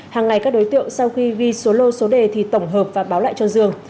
hàng ngày các đối tượng sau khi ghi số lô số đề thì tổng hợp và báo lại cho dương